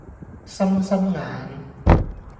心心眼